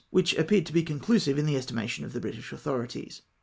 which appeared to be conclusive in the estimation of the British authorities.